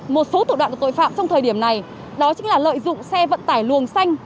một số thủ đoạn của tội phạm trong thời điểm này đó chính là lợi dụng xe vận tải luồng xanh